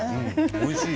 おいしい。